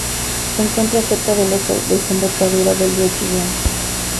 Se encuentra cerca de la desembocadura del río Chillón.